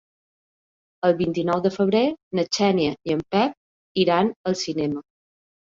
El vint-i-nou de febrer na Xènia i en Pep iran al cinema.